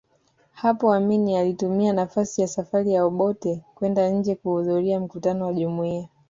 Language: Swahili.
Hapo Amin alitumia nafasi ya safari ya Obote kwenda nje kuhudhuria mkutano wa Jumuiya